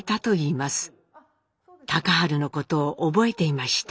隆治のことを覚えていました。